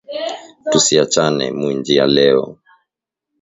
Tusiachane mu njia leo